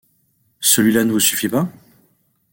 Celui-là ne vous suffit pas ?